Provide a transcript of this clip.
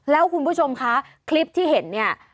แล้วคุณผู้ชมคะคลิปที่เห็นเนี่ย